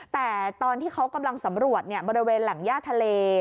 แต่ตอนที่เขากำลังสำรวจบริเวณแหล่งย่าทะเล